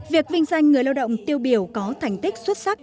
việc vinh danh người lao động tiêu biểu có thành tích xuất sắc